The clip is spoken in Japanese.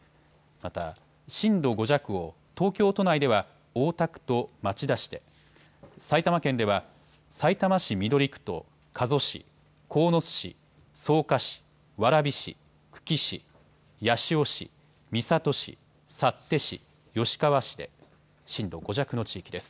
また、震度５弱を東京都内では大田区と町田市で、埼玉県ではさいたま市緑区と加須市、鴻巣市、草加市、蕨市、久喜市、八潮市、三郷市、幸手市、吉川市で震度５弱の地域です。